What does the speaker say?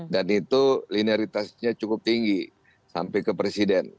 dan itu linearitasnya cukup tinggi sampai ke presiden